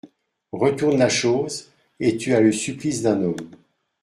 Retourne la chose et tu as le supplice d’un homme.